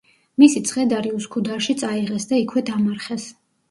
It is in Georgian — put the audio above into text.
მისი ცხედარი უსქუდარში წაიღეს და იქვე დამარხეს.